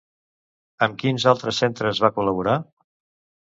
Amb quins altres centres va col·laborar?